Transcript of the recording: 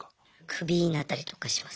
クビになったりとかします。